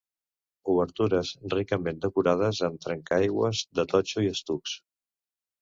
Obertures ricament decorades amb trencaaigües de totxo i estucs.